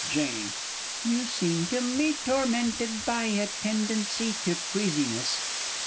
Jane. You seem to me tormented by a tendency to queasiness?